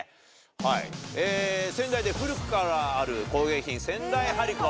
はいえぇ仙台で古くからある工芸品仙台張子。